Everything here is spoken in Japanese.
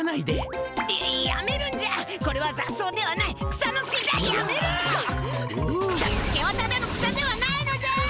草ノ助はただの草ではないのじゃ！